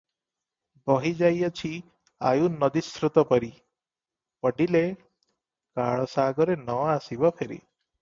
ବହିଯାଇଅଛି ଆୟୁ ନଦୀସ୍ରୋତ ପରି ପଡିଲେ କାଳ ସାଗରେ ନ ଆସିବ ଫେରି ।